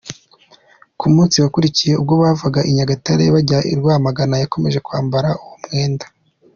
Ku munsi wakurikiyeho ubwo bavaga i Nyagatare bajya i Rwamagana yakomeje kwambara uwo mwenda.